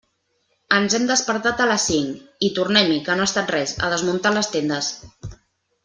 Ens hem despertat a les cinc, i tornem-hi, que no ha estat res, a desmuntar les tendes.